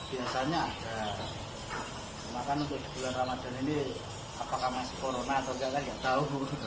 biasanya ada maka untuk bulan ramadhan ini apakah masih corona atau tidak kan gak tau